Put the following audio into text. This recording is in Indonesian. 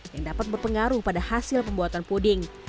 yang dapat berpengaruh pada hasil pembuatan puding